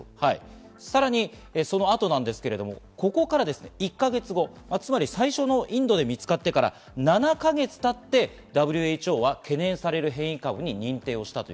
さらにその後ですが、ここから１か月後、最初のインドで見つかってから７か月経ってＷＨＯは懸念される変異株に認定しました。